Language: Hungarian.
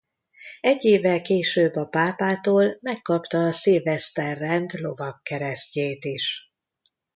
Egy évvel később a pápától megkapta a Szilveszter-rend lovagkeresztjét is.